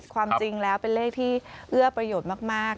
ความจริงแล้วเป็นเลขที่เอื้อประโยชน์มาก